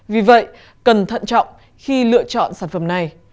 vì vậy cần thận trọng khi lựa chọn sản phẩm này